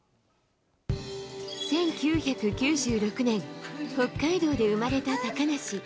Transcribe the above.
１９９６年北海道で生まれた高梨。